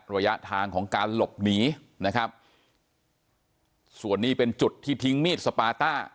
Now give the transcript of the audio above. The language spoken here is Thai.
ระยะทางของการหลบหนีนะครับส่วนนี้เป็นจุดที่ทิ้งมีดสปาต้า